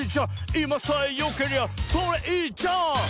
「いまさえよけりゃそれいいじゃん」